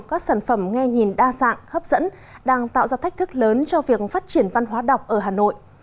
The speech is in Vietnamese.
các sản phẩm nghe nhìn đa dạng hấp dẫn đang tạo ra thách thức lớn cho việc phát triển văn hóa đọc ở hà nội